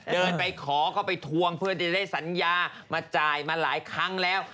เดินไปขอเข้าไปทวงเพื่อจะได้สัญญามาจ่ายมาหลายครั้งแล้ว